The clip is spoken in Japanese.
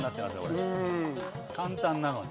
簡単なのに。